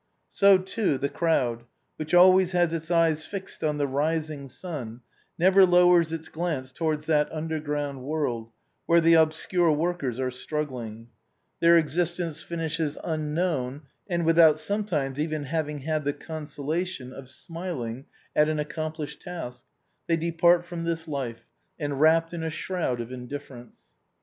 So, too, the crowd, which always has its eyes fixed on the rising sun, never lowers its glance towards that under ground world where the obscure workers are struggling; their existence finishes unknown and without sometimes even having had the consolation of smiling at an ac complished task, they depart from this life, enwrapped in a shroud of indifference.